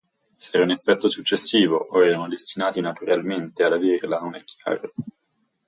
Se era un effetto successivo o erano destinati naturalmente ad averla non è chiaro.